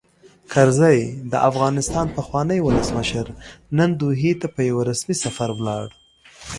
کرزی؛ د افغانستان پخوانی ولسمشر، نن دوحې ته په یوه رسمي سفر ولاړ.